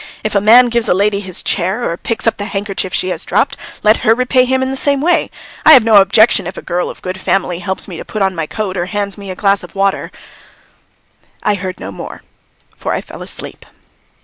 If a man gives a lady his chair or picks up the handkerchief she has dropped, let her repay him in the same way. I have no objection if a girl of good family helps me to put on my coat or hands me a glass of water " I heard no more, for I fell asleep.